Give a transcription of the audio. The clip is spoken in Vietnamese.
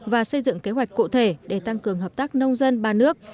và xây dựng kế hoạch cụ thể để tăng cường hợp tác nông dân ba nước